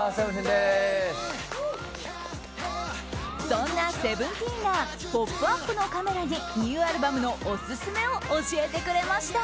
そんなＳＥＶＥＮＴＥＥＮが「ポップＵＰ！」のカメラにニューアルバムのオススメを教えてくれました。